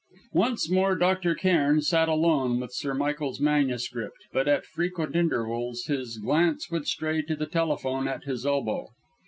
Once more Dr. Cairn sat alone with Sir Michael's manuscript, but at frequent intervals his glance would stray to the telephone at his elbow.